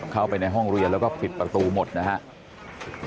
เข้าไปในห้องเรียนแล้วก็ปิดประตูหมดนะครับ